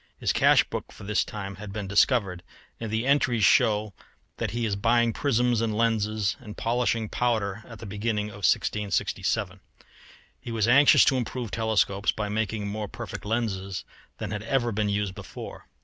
His cash book for this time has been discovered, and the entries show that he is buying prisms and lenses and polishing powder at the beginning of 1667. He was anxious to improve telescopes by making more perfect lenses than had ever been used before.